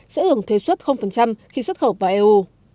sẽ ưởng thuế xuất khi xuất khẩu vào eu